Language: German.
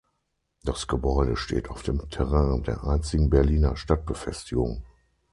Das Gebäude steht auf dem Terrain der einstigen Berliner Stadtbefestigung.